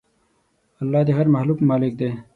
الله د هر مخلوق مالک دی.